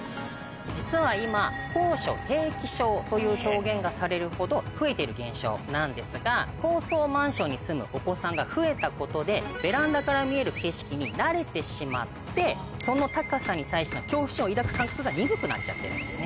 実は今高所平気症という表現がされるほど増えている現象なんですが高層マンションに住むお子さんが増えたことでベランダから見える景色に慣れてしまってその高さに対しての恐怖心を抱く感覚が鈍くなっちゃってるんですね。